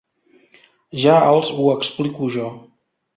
Ja els ho explico jo.